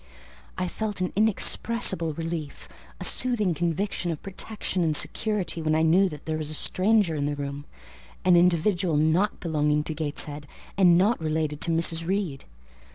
I felt an inexpressible relief, a soothing conviction of protection and security, when I knew that there was a stranger in the room, an individual not belonging to Gateshead, and not related to Mrs. Reed.